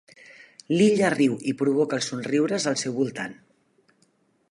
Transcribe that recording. L'Illa riu i provoca els somriures al seu voltant.